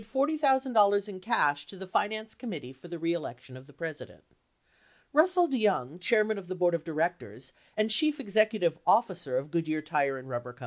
prior to April 7, 1972, contributed $40,000 in cash to the Finance Committee for the Re Election of the President. Russell DeYoung, chairman of the board of directors and chief executive officer of Goodyear Tire & Rubber Co.